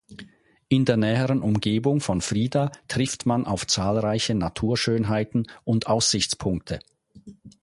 In der näheren Umgebung von Frieda trifft man auf zahlreiche Naturschönheiten und Aussichtspunkte.